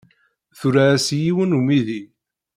Tura-as i yiwen n umidi.